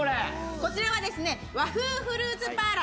こちらは和風フルーツパーラー